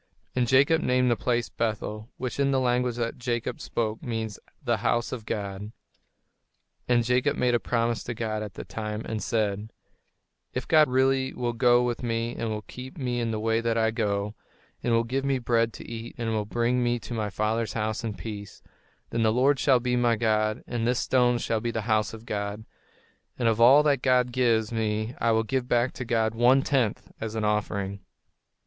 And Jacob named that place Bethel, which in the language that Jacob spoke means "The House of God." And Jacob made a promise to God at that time, and said: "If God really will go with me and will keep me in the way that I go, and will give me bread to eat and will bring me to my father's house in peace, then the Lord shall be my God: and this stone shall be the house of God, and of all that God gives me I will give back to God one tenth as an offering."